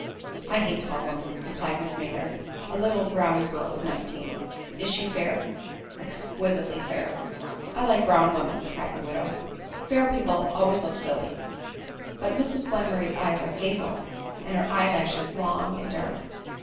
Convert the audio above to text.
" I hate tall women," replied Miss Maynard, (a little round girl of nineteen.) " Is she fair ?"" Exquisitely fair." " I like brown women," cried the widow ;" fair peo ple always look silly." " But Mrs Glenmurray's eyes are hazel, and her eye lashes long and dark."